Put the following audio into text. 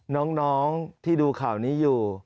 น้องที่ดูข่าวนี้อยู่